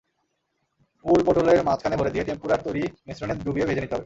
পুর পটোলের মাঝখানে ভরে দিয়ে টেম্পুরার তৈরি মিশ্রণে ডুবিয়ে ভেজে নিতে হবে।